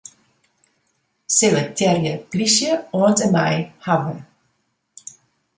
Selektearje 'plysje' oant en mei 'hawwe'.